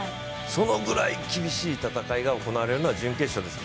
そのぐらい厳しい戦いが行われるのは準決勝です。